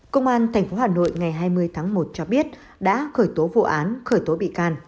công an tp hà nội ngày hai mươi tháng một cho biết đã khởi tố vụ án khởi tố bị can